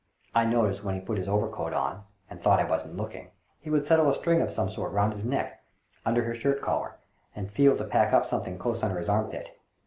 I noticed, when he put his overcoat on, and thought I wasn't looking, he would settle a string of some sort round his neck, under his shirt collar, and feel to pack up something close under his armpit.